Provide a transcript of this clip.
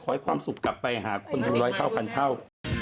ให้ความสุขกลับไปหาคนดูร้อยเท่ากันเท่า